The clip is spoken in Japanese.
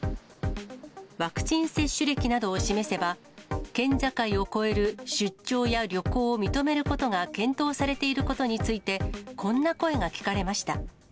ワクチン接種歴などを示せば、県境を越える出張や旅行を認めることが検討されていることについて、こんな声が聞かれました。